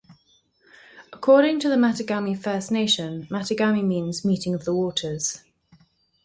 According to the Mattagami First Nation, Mattagami means "Meeting of the Waters".